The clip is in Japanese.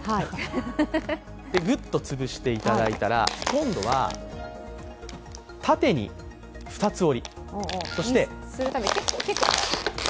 グッと潰していただいたら、今度は縦に二つ折り。